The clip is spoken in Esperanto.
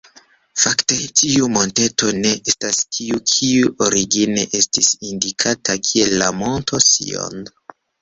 Fakte tiu monteto ne estas tiu kiu origine estis indikata kiel la Monto Sion.